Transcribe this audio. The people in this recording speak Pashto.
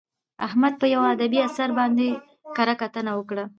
احمد په یوه ادبي اثر باندې کره کتنه وکړه.